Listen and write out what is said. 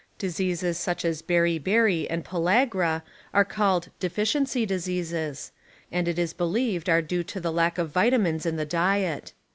Dis eases such as beri beri and pellagra are called "deficiency dis eases", and it is believed are due to the lack of vitamines in the diet.